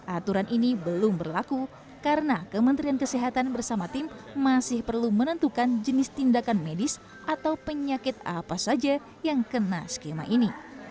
aturan ini belum berlaku karena kementerian kesehatan bersama tim masih perlu menentukan jenis tindakan medis atau penyakit apa saja yang kena skema ini